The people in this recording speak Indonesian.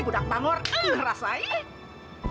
budak tangor keras aja